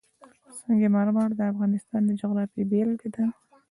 سنگ مرمر د افغانستان د جغرافیې بېلګه ده.